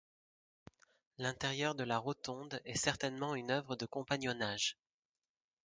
L'intérieur de la rotonde est certainement une œuvre de compagnonnage.